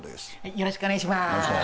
よろしくお願いします。